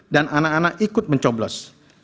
dan anak anak ikut mencoblos